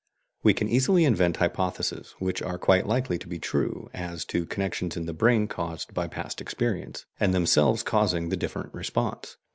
We can easily invent hypotheses, which are quite likely to be true, as to connections in the brain caused by past experience, and themselves causing the different response.